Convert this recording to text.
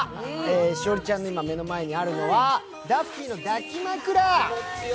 栞里ちゃんの目の前にあるのはダッフィーのだきまくら。